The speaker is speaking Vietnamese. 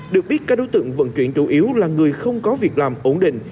được biết các đối tượng vận chuyển chủ yếu là người không có việc làm ổn định